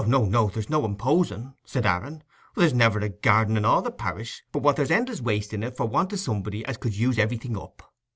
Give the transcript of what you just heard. "No, no, there's no imposin'," said Aaron; "there's never a garden in all the parish but what there's endless waste in it for want o' somebody as could use everything up.